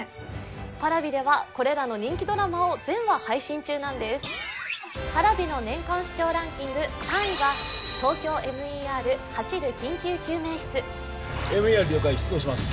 Ｐａｒａｖｉではこれらの人気ドラマを全話配信中なんですＰａｒａｖｉの年間視聴ランキング３位は「ＴＯＫＹＯＭＥＲ走る緊急救命室」ＭＥＲ了解出動します